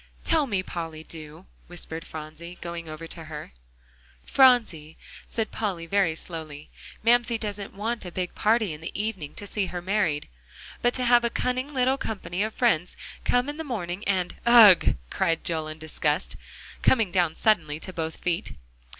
"Tell me, Polly, do," whispered Phronsie, going over to her. "Phronsie," said Polly very slowly, "Mamsie doesn't want a big party in the evening to see her married, but to have a cunning little company of friends come in the morning, and" "Ugh!" cried Joel in disgust, coming down suddenly to both feet.